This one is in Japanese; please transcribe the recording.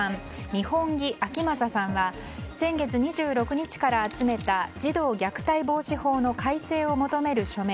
二本樹顕理さんは先月２６日から集めた児童虐待防止法の改正を求める署名